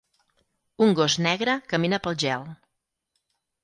Un gos negre camina pel gel.